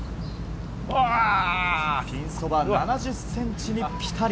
ピンそば７０ｃｍにピタリ。